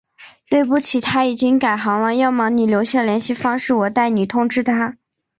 对不起，他已经改行了，要么你留下联系方式，我代你通知他。